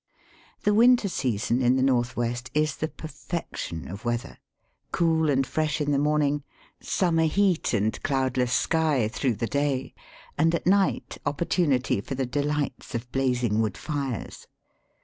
The winter season in the north west is the perfection of weather — cool and fresh in the morning, summer heat and cloud less sky through the day, and at night oppor tunity for the delights of blazing wood fires.